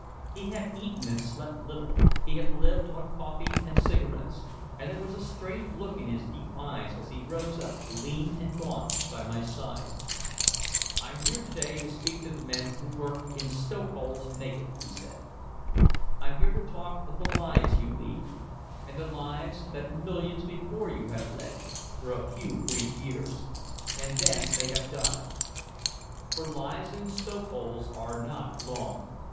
He had eaten and slept little, he had lived on coffee and cigarettes, and there was a strained look in his deep eyes as he rose up lean and gaunt by my side. "I'm here to day to speak to the men who work in stokeholes naked," he said. "I'm here to talk of the lives you lead the lives that millions before you have led for a few brief years and then they have died. For lives in stokeholes are not long.